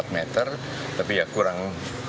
empat meter tapi ya kurang